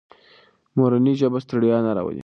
مورنۍ ژبه ستړیا نه راولي.